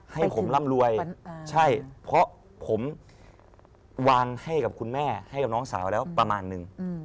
ให้ผมร่ำรวยใช่เพราะผมวางให้กับคุณแม่ให้กับน้องสาวแล้วประมาณนึง